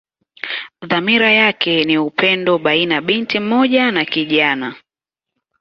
Dhamira yake ni upendo baina binti mmoja na kijana.